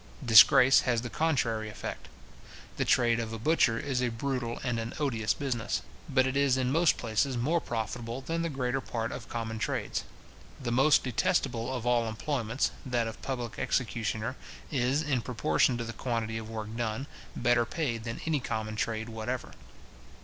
Disgrace has the contrary effect. The trade of a butcher is a brutal and an odious business; but it is in most places more profitable than the greater part of common trades. The most detestable of all employments, that of public executioner, is, in proportion to the quantity of work done, better paid than any common trade whatever.